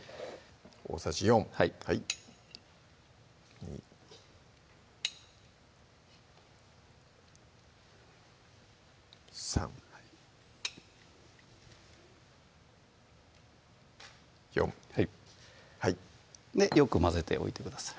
大さじ４はい２３４はいよく混ぜておいてください